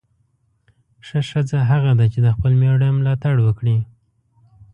ښه ښځه هغه ده چې د خپل میړه ملاتړ وکړي.